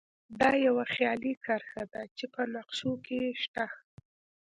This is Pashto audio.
دا یوه خیالي کرښه ده چې په نقشو کې شته